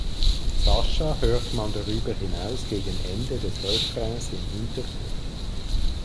Sasha hört man darüber hinaus gegen Ende des Refrains im Hintergrund.